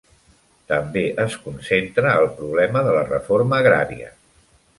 També es concentra al problema de la reforma agrària.